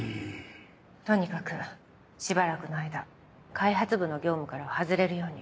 とにかくしばらくの間開発部の業務からは外れるように。